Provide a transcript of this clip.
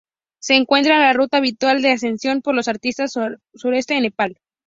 Se encuentra en la ruta habitual de ascensión por la arista Suroeste en Nepal.